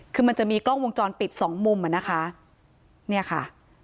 คือมันจะมีกล้องวงจรปิดสองมุมอ่ะนะคะเนี่ยค่ะ